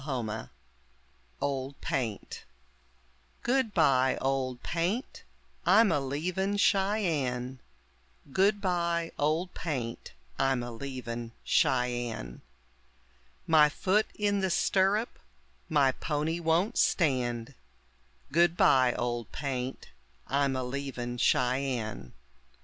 ] OLD PAINT REFRAIN: Goodbye, Old Paint, I'm a leavin' Cheyenne, Goodbye, Old Paint, I'm a leavin' Cheyenne, My foot in the stirrup, my pony won't stand; Goodbye, Old Paint, I'm a leavin' Cheyenne.